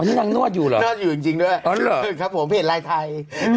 อันนี้นั่งนวดอยู่หรอนวดอยู่จริงด้วยพี่เห็นลายไทย